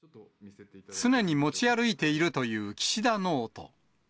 常に持ち歩いているという岸田ノート。